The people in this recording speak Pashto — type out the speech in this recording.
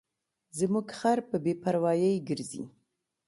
زموږ خر په بې پروایۍ ګرځي.